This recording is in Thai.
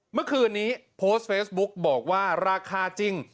เมื่อคืนนี้โพสต์เฟซบุ๊กบอกว่าราคาจริง